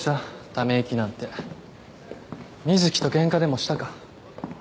ため息なんて瑞貴とケンカでもしたか？